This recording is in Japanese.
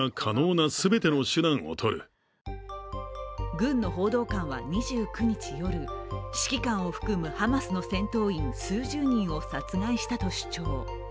軍の報道官は２９日夜指揮官を含むハマスの戦闘員数十人を殺害したと主張。